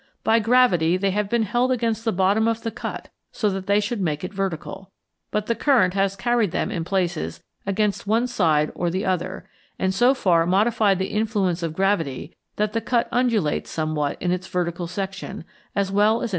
By gravity they have been held against the bottom of the cut, so that they should make it vertical, but the current has carried them, in places, against one side or the other, and so far modified the influence of gravity that the cut undulates somewhat in its vertical section, as well as in its horizontal."